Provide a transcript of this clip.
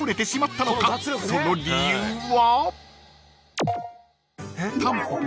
［その理由は？］